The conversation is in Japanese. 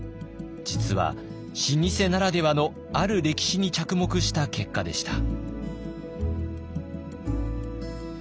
実は老舗ならではのある歴史に着目した結果でした。